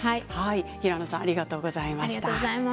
平野さんありがとうございました。